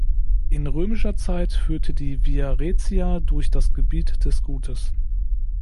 In römischer Zeit führte die Via Raetia durch das Gebiet des Gutes.